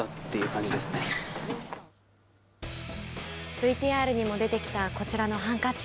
ＶＴＲにも出てきたこちらのハンカチ。